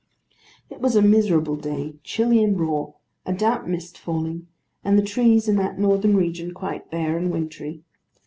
It was a miserable day; chilly and raw; a damp mist falling; and the trees in that northern region quite bare and wintry.